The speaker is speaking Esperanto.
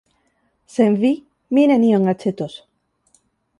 Sen vi mi nenion aĉetos.